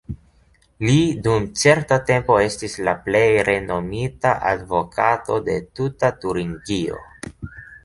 Li dum certa tempo estis la plej renomita advokato de tuta Turingio.